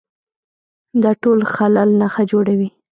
دا ټول خلل نښه جوړوي